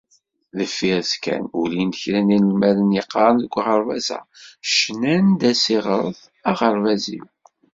Deffir-s kan, ulin-d kra n yinelmaden yeqqaren deg uɣerbaz-a, cnan-d asiɣret “Aɣerbaz-iw”.